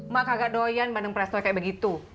mah kagak doyan bandeng presto kayak begitu